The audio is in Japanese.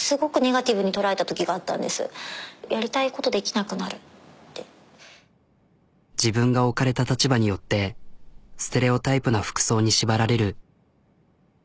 何か自分が置かれた立場によってステレオタイプな服装に縛られる。